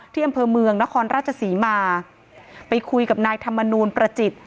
ที่อำเภอเมืองนครราชศรีมาไปคุยกับนายธรรมนูลประจิต